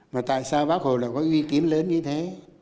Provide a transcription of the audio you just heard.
mà tại sao bác hồ lại có uy tín lớn như thế